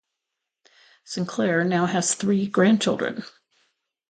Sinclair now has three grandchildren.